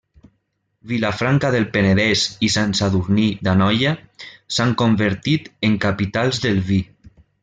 Vilafranca del Penedès i Sant Sadurní d'Anoia s'han convertit en capitals del vi.